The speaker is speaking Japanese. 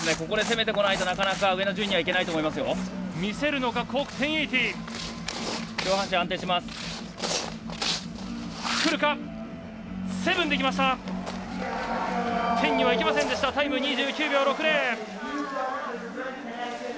ここで攻めてこないとなかなか、上の順位にはいけないと思います。